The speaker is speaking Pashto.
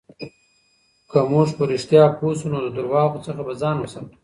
که موږ په رښتیا پوه شو، نو د درواغو څخه به ځان ساتو.